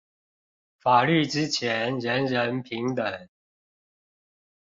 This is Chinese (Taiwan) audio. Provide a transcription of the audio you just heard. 法律之前人人平等